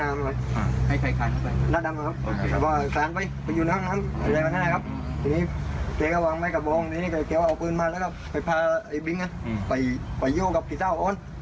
ในนี้เจ๊ก็วางไว้กระโบงเอาปืนมาแล้วก็ไปพาไอ้บิ๊งไปโยกกับพี่เจ้า